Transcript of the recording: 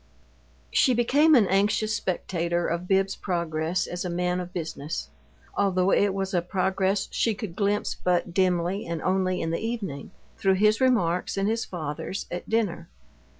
She became an anxious spectator of Bibbs's progress as a man of business, although it was a progress she could glimpse but dimly and only in the evening, through his remarks and his father's at dinner.